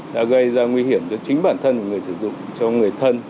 đã gây ra nguy hiểm cho chính bản thân và người sử dụng cho người thân